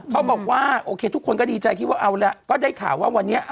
เขาบอกว่าโอเคทุกคนก็ดีใจคิดว่าเอาแล้วก็ได้ข่าวว่าวันนี้